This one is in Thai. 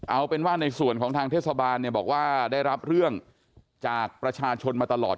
เอาเป็นว่าในส่วนของทางเทศบาลเนี่ยบอกว่าได้รับเรื่องจากประชาชนมาตลอด